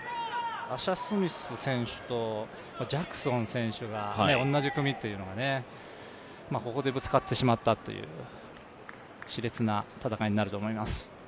アッシャー・スミス選手とジャクソン選手が同じ組というのはここでぶつかってしまったという、しれつな戦いになると思います。